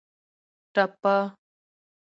ټپه